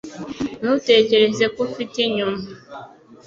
Ntutekereza ko ufite inyuma